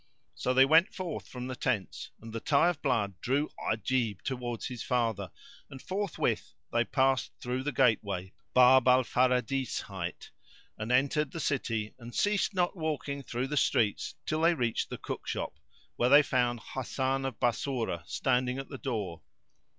So they went forth from the tents; and the tie of blood drew Ajib towards his father, and forthwith they passed through the gateway, Bab al Faradis [FN#464] hight, and entered the city and ceased not walking through the streets till they reached the cookshop, where they found Hasan of Bassorah standing at the door.